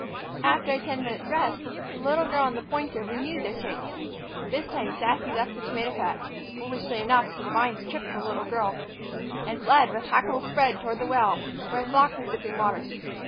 After a ten minutes' rest, the little girl and the pointer renewed their chase. This time Sassy left the tomato patch (foolishly enough, for the vines tripped the little girl), and fled, with hackles spread, toward the well, where a flock was dipping water.